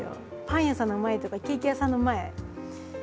パン屋さんの前とかケーキ屋さんの前やばいね。